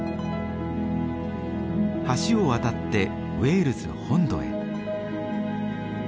橋を渡ってウェールズ本土へ。